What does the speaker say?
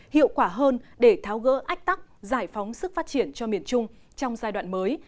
hiệu quả hơn để tháo gỡ ách tắc giải phóng sức phát triển cho miền trung trong giai đoạn mới